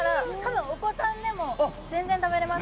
お子さんでも全然、食べれます！